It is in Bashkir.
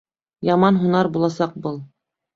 Яман һунар буласаҡ был.